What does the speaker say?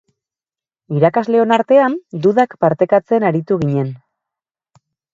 Irakasleon artean dudak partekatzen aritu ginen.